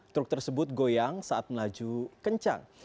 truk tersebut goyang saat melaju kencang